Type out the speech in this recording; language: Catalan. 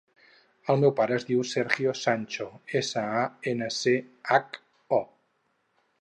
El meu pare es diu Sergio Sancho: essa, a, ena, ce, hac, o.